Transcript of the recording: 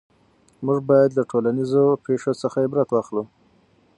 موږ باید له ټولنیزو پېښو څخه عبرت واخلو.